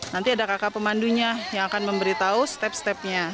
nanti ada kakak pemandunya yang akan memberitahu step stepnya